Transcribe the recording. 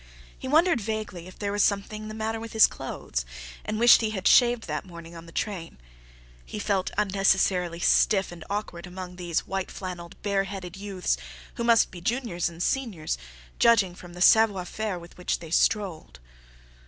He wondered vaguely if there was something the matter with his clothes, and wished he had shaved that morning on the train. He felt unnecessarily stiff and awkward among these white flannelled, bareheaded youths, who must be juniors and seniors, judging from the savoir faire with which they strolled.